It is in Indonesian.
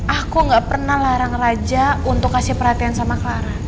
aku gak pernah larang raja untuk kasih perhatian sama clara